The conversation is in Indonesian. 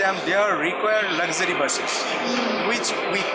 yang kita pikir laksana bisa memberikan di masa depan